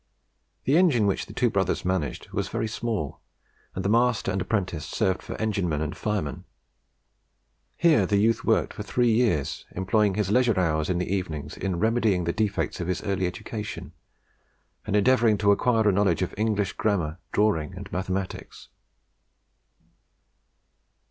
The engine which the two brothers managed was a very small one, and the master and apprentice served for engineman and fireman. Here the youth worked for three years, employing his leisure hours in the evenings in remedying the defects of his early education, and endeavouring to acquire a knowledge of English grammar, drawing, and mathematics.